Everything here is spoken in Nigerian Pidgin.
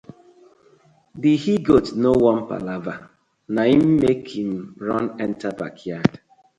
Di he-goat no wan palava na im mek him run enter bakyard.